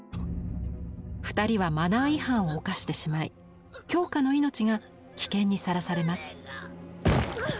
２人はマナー違反を犯してしまい京香の命が危険にさらされます。